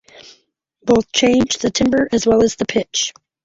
Both change the timbre as well as the pitch.